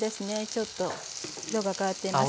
ちょっと色が変わっています。